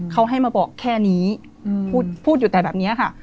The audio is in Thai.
เขาให้มาบอกแค่นี้พูดอยู่แต่แบบนี้ค่ะ